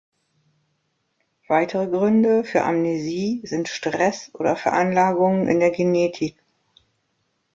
Weitere Gründe für Amnesie sind Stress oder Veranlagungen in der Genetik.